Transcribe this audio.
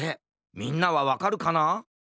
みんなはわかるかな？